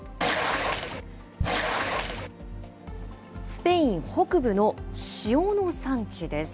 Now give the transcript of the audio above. スペイン北部の塩の産地です。